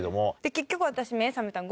結局私。